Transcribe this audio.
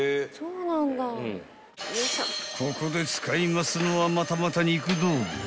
［ここで使いますのはまたまた］